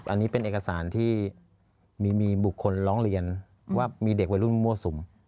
อันนี้เป็นเอกสารที่มีบุคคลร้องเรียนว่ามีเด็กวัยรุ่นมั่วสุม